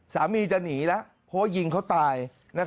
สามีจะหนีนะเพราะว่ายิงเขาตาย